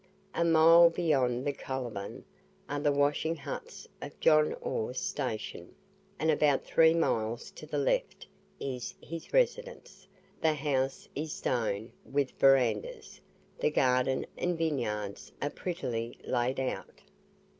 A mile beyond the Coliban are the washing huts of John Orr's Station, and about three miles to the left is his residence; the house is stone, with verandahs, the garden and vineyards are prettily laid out.